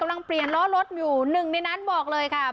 ยังเปลี่ยนล้อรถอยู่หนึ่งในนั้นบอกเลยค่ะ